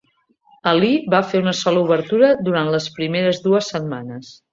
Ali va fer una sola obertura durant les primeres dues setmanes.